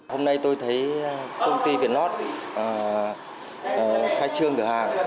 hôm nay tôi thấy công ty việt lót khai trương cửa hàng